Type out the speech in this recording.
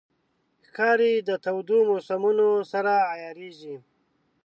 ښکاري د تودو موسمونو سره عیارېږي.